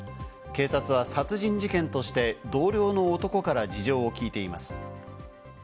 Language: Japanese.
警察は殺人事件として同僚の男から事情をきいています。